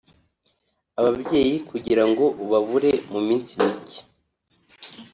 ababyeyi kugira ngo ubabure mu minsi mike